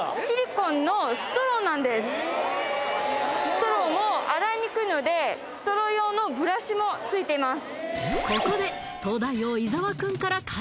ストローも洗いにくいのでストロー用のブラシもついてます